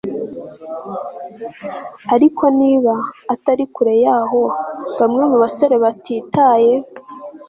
ariko niba, atari kure yaho, bamwe mubasore batitaye